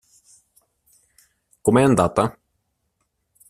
Come è andata?